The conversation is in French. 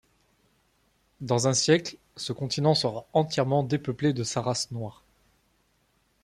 Dans un siècle, ce continent sera entièrement dépeuplé de sa race noire.